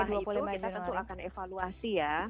setelah itu kita tentu akan evaluasi ya